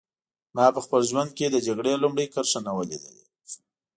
ما په خپل ژوند کې د جګړې لومړۍ کرښه نه وه لیدلې